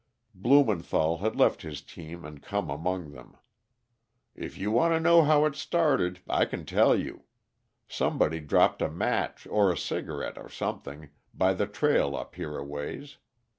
Blumenthall had left his team and come among them. "If you want to know how it started, I can tell you. Somebody dropped a match, or a cigarette, or something, by the trail up here a ways.